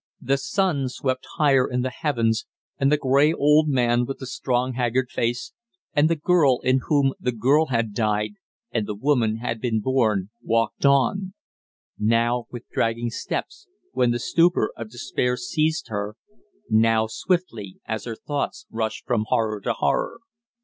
The sun swept higher in the heavens, and the gray old man with the strong haggard face, and the girl in whom the girl had died and the woman had been born, walked on; now with dragging steps, when the stupor of despair seized her, now swiftly as her thoughts rushed from horror to horror.